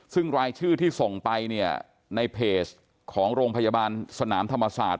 ซึ่งรายชื่อที่ส่งไปเนี่ยในเพจของโรงพยาบาลสนามธรรมศาสตร์